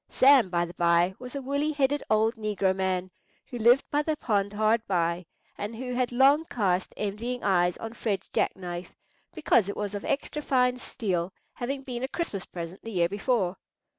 Sam, by the by, was a woolly headed old negro man, who lived by the pond hard by, and who had long cast envying eyes on Fred's jack knife, because it was of extra fine steel, having been a Christmas present the year before.